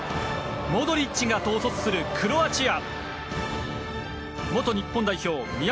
モドリッチが統率するクロアチア。